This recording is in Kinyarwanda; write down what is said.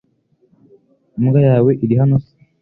Imbwa yawe iri hano se